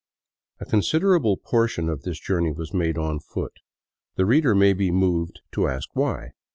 A considerable portion of this journey was made on foot. The reader may be moved to ask why.